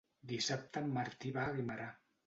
Dissabte en Martí va a Guimerà.